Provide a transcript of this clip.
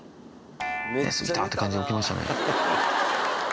寝過ぎた！って感じで起きましたね。